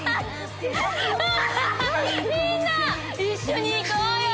みんな一緒に行こうよ！